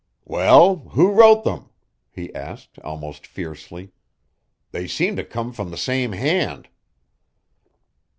"Well, who wrote them?" he asked almost fiercely. "They seem to come from the same hand."